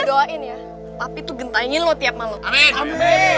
gue doain ya tapi tuh gentahin lo tiap malam